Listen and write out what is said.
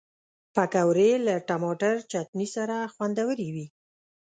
پکورې له ټماټر چټني سره خوندورې وي